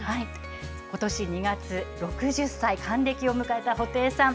ことし２月、６０歳、還暦を迎えた布袋さん。